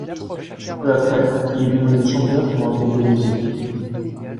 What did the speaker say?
Peu après, il est devenu chanteur pour un groupe de musique.